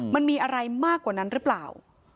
มันมีอะไรมากกว่านั้นหรือเปล่า